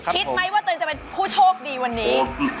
คิดไหมว่าตัวเองจะเป็นผู้โชคดีวันนี้